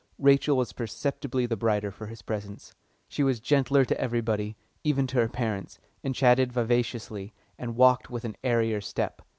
Rachel was perceptibly the brighter for his presence. She was gentler to everybody, even to her parents, and chatted vivaciously, and walked with an airier step!